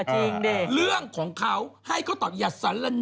ไม่รู้ไม่ได้กลิ่นอะไรเลย